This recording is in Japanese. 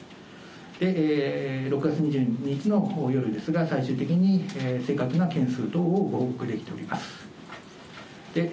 で、６月２２日の夜ですが、最終的に正確な件数等をしております。